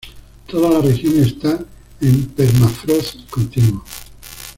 Toda la región está en permafrost continuo.